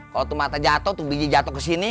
kalo tuh mata jatuh tuh biji jatuh kesini